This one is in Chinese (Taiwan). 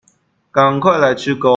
趕快來吃鉤